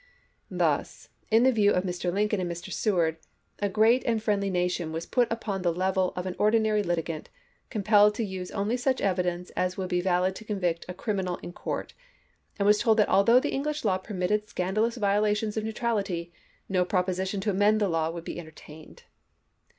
Thus — in the view of Mr. Lincoln and ton, p. 103. Mr. Seward — a great and friendly nation was put upon the level of an ordinary litigant, compelled to use only such evidence as would be valid to convict a criminal in court, and was told that although the English law permitted scandalous violations of neutrality, no proposition to amend the law would be entertained.